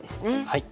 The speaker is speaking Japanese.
はい。